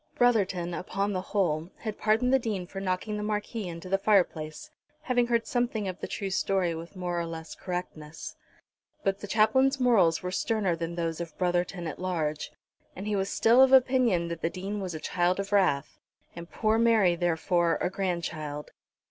Brotherton, upon the whole, had pardoned the Dean for knocking the Marquis into the fireplace, having heard something of the true story with more or less correctness. But the Chaplain's morals were sterner than those of Brotherton at large, and he was still of opinion that the Dean was a child of wrath, and poor Mary, therefore, a grandchild.